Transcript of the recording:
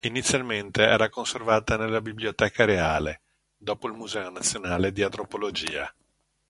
Inizialmente era conservata nella Biblioteca Reale, dopo il Museo nazionale di antropologia.